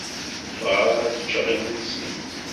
Ffɣeɣ ad cceɣ imensi.